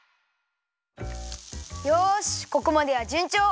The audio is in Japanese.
よしここまではじゅんちょう！